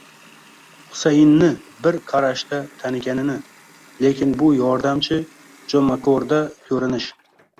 Husayinni bir qarashda taniganini, lekin bu yordamchi, jomakorda ko'rinish